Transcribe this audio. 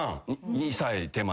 ２歳手前。